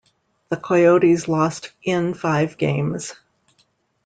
The Coyotes lost in five games.